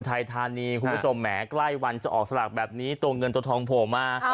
ไทยธานีคุณผู้ชมแหมใกล้วันจะออกสลากแบบนี้ตัวเงินตัวทองโผล่มา